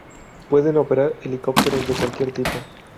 Pueden operar helicópteros de cualquier tipo.